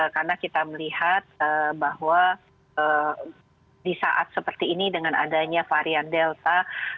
karena kita melihat bahwa di saat seperti ini dengan adanya varian delta